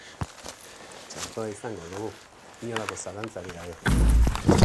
Txertoa izango dugu, inolako zalantzarik gabe.